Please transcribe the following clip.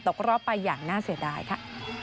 ตกรอบไปอย่างน่าเสียดายค่ะ